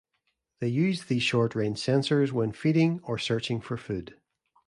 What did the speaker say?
They use these short-range sensors when feeding or searching for food.